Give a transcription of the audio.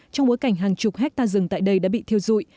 trong bối cảnh hàng chục hectare rừng tại đây đã bị thiêu dụi